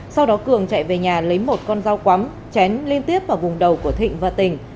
sau đó cường chạy về nhà lấy một con dao quắm chém liên tiếp vào vùng đầu của thịnh và tình